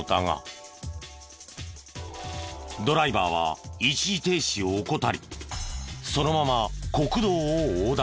ドライバーは一時停止を怠りそのまま国道を横断。